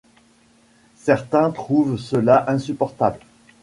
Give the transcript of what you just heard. Certains trouvent cela insupportable.